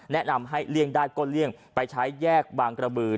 แนะนำให้เลี่ยงได้ก็เลี่ยงไปใช้แยกบางกระบือ